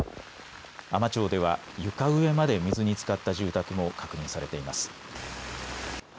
海士町では床上まで水につかった住宅も確認されています。